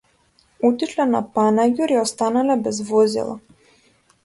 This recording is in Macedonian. Отишле на панаѓур и останале без возила